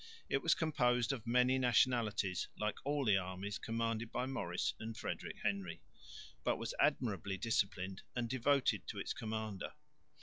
It was composed of many nationalities, like all the armies commanded by Maurice and Frederick Henry, but was admirably disciplined and devoted to its commander.